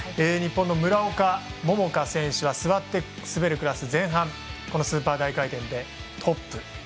日本の村岡桃佳選手は座って滑るクラス、前半スーパー大回転でトップ。